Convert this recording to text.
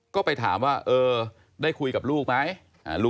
ก็ไปถามว่าเออได้คุยกับลูกไหม